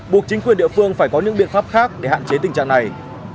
buộc chính quyền địa phương phải có những biện pháp khác để hạn chế tình trạng này